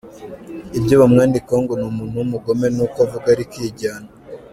Ibyo bamwandikaho ngo ni umuntu w’umugome, ni uko avuga rikijyana.